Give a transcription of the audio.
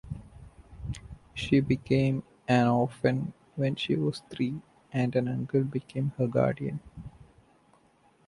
She became an orphan when she was three and an uncle became her guardian.